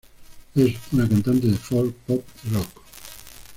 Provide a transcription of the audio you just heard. Es una cantante de folk, pop y rock.